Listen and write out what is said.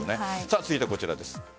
続いてはこちらです。